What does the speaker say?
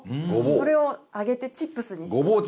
これを揚げてチップスに。